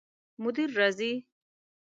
مدیر راځي؟